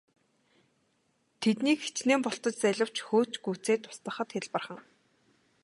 Тэднийг хэчнээн бултаж зайлавч хөөж гүйцээд устгахад хялбархан.